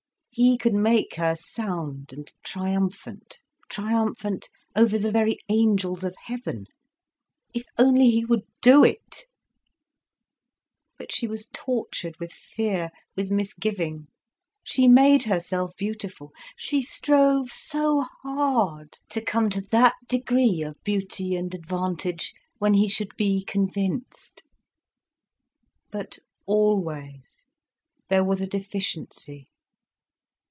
He could make her sound and triumphant, triumphant over the very angels of heaven. If only he would do it! But she was tortured with fear, with misgiving. She made herself beautiful, she strove so hard to come to that degree of beauty and advantage, when he should be convinced. But always there was a deficiency.